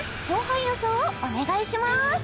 勝敗予想をお願いします